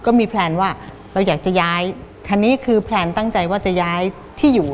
แพลนว่าเราอยากจะย้ายคันนี้คือแพลนตั้งใจว่าจะย้ายที่อยู่